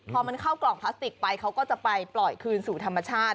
พอมันเข้ากล่องพลาสติกไปเขาก็จะไปปล่อยคืนสู่ธรรมชาติ